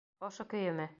Ошо көйөмө?